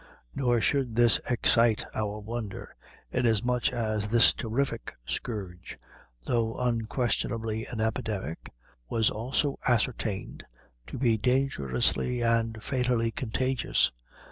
Nor should this excite our wonder, inasmuch as this terrific scourge, though unquestionably an epidemic, was also ascertained to be dangerously and fatally contagious.